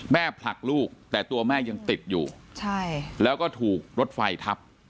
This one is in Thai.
ผลักลูกแต่ตัวแม่ยังติดอยู่ใช่แล้วก็ถูกรถไฟทับ